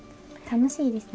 楽しいです。